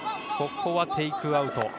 ここはテイクアウト。